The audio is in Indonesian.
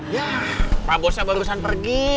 ya pak bosnya barusan pergi